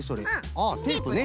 あテープね。